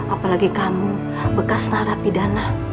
apalagi kamu bekas narapidana